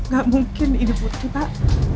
gak mungkin ini putri pak